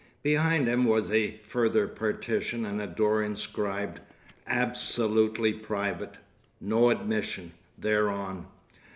Behind him was a further partition and a door inscribed "ABSOLUTELY PRIVATE—NO ADMISSION," thereon.